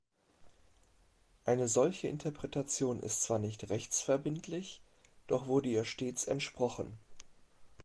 Eine solche Interpretation ist zwar nicht rechtsverbindlich, doch wurde ihr stets entsprochen.